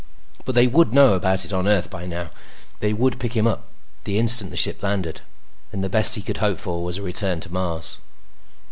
But they would know about it on Earth by now. They would pick him up the instant the ship landed. And the best he could hope for was a return to Mars.